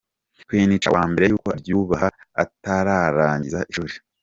Queen Cha wa mbere yuko abyibuha atararangiza ishuri.